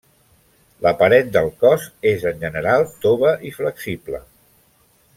La paret del cos és en general tova i flexible.